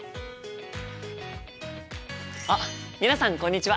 あっ皆さんこんにちは！